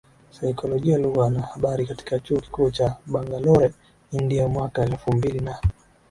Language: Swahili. Saikolojia Lugha na Habari katika Chuo Kikuu cha BangaloreIndiaMwaka elfu mbili na